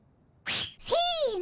せの。